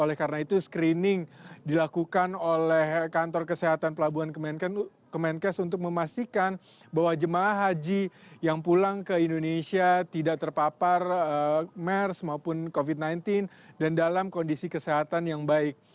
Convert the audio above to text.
oleh karena itu screening dilakukan oleh kantor kesehatan pelabuhan kemenkes untuk memastikan bahwa jemaah haji yang pulang ke indonesia tidak terpapar mers maupun covid sembilan belas dan dalam kondisi kesehatan yang baik